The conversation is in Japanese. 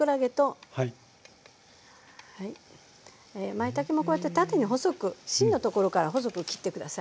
まいたけもこうやって縦に細く芯のところから細く切って下さい。